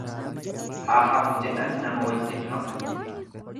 Haa hafu jedhan nama wajjin hafu.